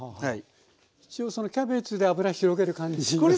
一応そのキャベツで油広げる感じですね。